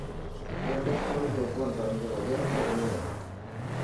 ஈண்டுக் கூறிய ஒவ்வொன்றும் மிக உயர்ந்த உண்மையாம்.